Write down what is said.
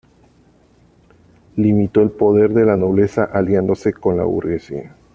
Limitó el poder de la nobleza, aliándose con la burguesía.